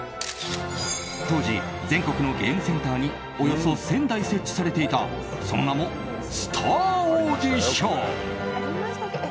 当時、全国のゲームセンターにおよそ１０００台設置されていたその名も、スタアオーディション。